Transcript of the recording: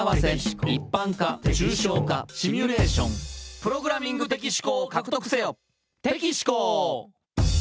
「プログラミング的思考を獲得せよ」